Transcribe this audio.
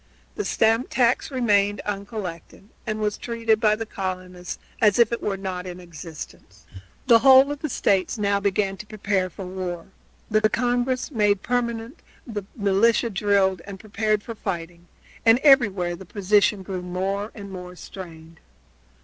The stamp tax remained uncollected and was treated by the colonists as if it were not in existence. The whole of the States now began to prepare for war. The Congress was made permanent, the militia drilled and prepared for fighting, and everywhere the position grew more and more strained.